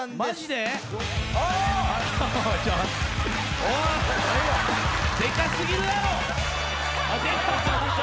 でか過ぎるやろ！